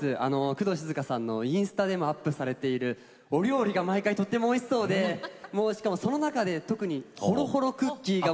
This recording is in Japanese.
工藤静香さんのインスタでもアップされているお料理が毎回とってもおいしそうでしかもその中で特にほろほろクッキーがもう。